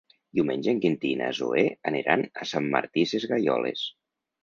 Diumenge en Quintí i na Zoè aniran a Sant Martí Sesgueioles.